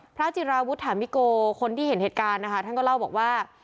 จิราวุฒามิโกคนที่เห็นเหตุการณ์นะคะท่านก็เล่าบอกว่า